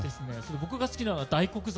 僕が好きなのは大黒坂。